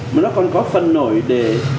mà nó còn có phần nổi để